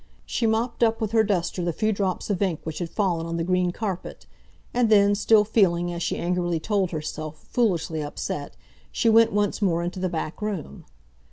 She mopped up with her duster the few drops of ink which had fallen on the green carpet and then, still feeling, as she angrily told herself, foolishly upset she went once more into the back room.